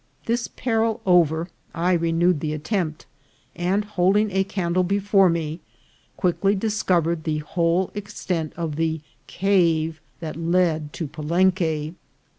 This peril over, I renewed the attempt, and holding a candle before me, quickly discovered the whole extent of the cave that led to Palenque.